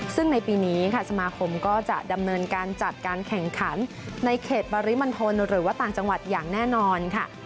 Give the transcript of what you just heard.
ซึ่งในปีนี้ค่ะสมาคมก็จะดำเนินการจัดการแข่งขันในเขตปริมณฑลหรือว่าต่างจังหวัดอย่างแน่นอนค่ะ